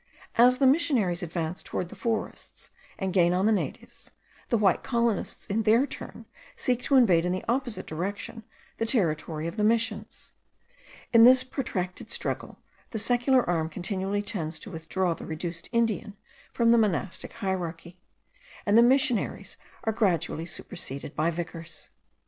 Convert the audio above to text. As the missionaries advance towards the forests, and gain on the natives, the white colonists in their turn seek to invade in the opposite direction the territory of the Missions. In this protracted struggle, the secular arm continually tends to withdraw the reduced Indian from the monastic hierarchy, and the missionaries are gradually superseded by vicars.